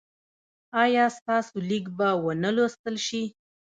ایا ستاسو لیک به و نه لوستل شي؟